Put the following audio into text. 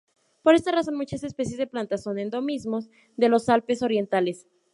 Por esa razón, muchas especies de plantas son endemismos de los Alpes orientales.